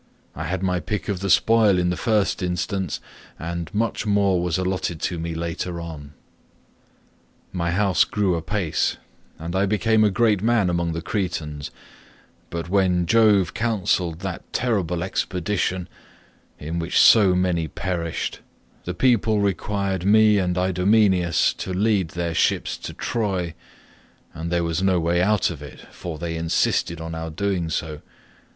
I had my pick of the spoil in the first instance, and much more was allotted to me later on. "My house grew apace and I became a great man among the Cretans, but when Jove counselled that terrible expedition, in which so many perished, the people required me and Idomeneus to lead their ships to Troy, and there was no way out of it, for they insisted on our doing so.